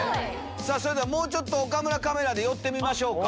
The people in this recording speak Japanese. もうちょっと岡村カメラで寄ってみましょうか。